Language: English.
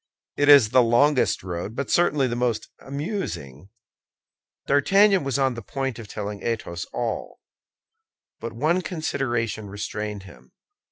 It is the longest road, but certainly the most amusing." D'Artagnan was on the point of telling Athos all; but one consideration restrained him.